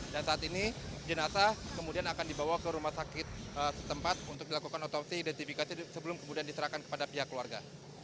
dan saat ini jenazah kemudian akan dibawa ke rumah sakit setempat untuk dilakukan otopsi identifikasi sebelum kemudian diserahkan kepada pihak keluarga